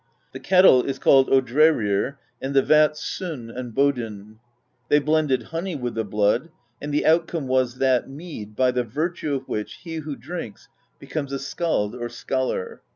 The kettle is named Odrerir, and the vats Son and Bodn; they blended honey with the blood, and the outcome was that mead by the virtue of which he who drinks becomes a skald or scholar.